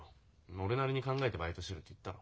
俺なりに考えてバイトしてるって言ったろ。